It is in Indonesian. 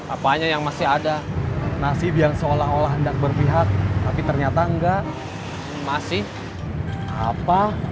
apanya yang masih ada nasib yang seolah olah hendak berpihak tapi ternyata enggak masih apa